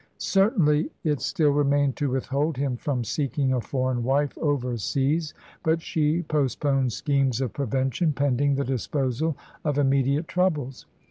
Certainly it still remained to withhold him from seeking a foreign wife over seas, but she postponed schemes of prevention pending the disposal of immediate troubles.